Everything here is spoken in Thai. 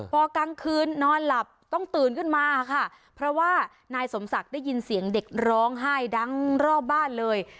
พอกลางคืนนอนหลับต้องตื่นขึ้นมาค่ะเพราะว่านายสมศักดิ์ได้ยินเสียงเด็กร้องไห้ดังรอบบ้านเลย